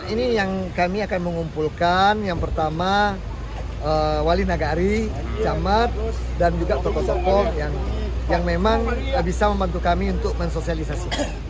ini yang kami akan mengumpulkan yang pertama wali nagari camat dan juga tokoh tokoh yang memang bisa membantu kami untuk mensosialisasikan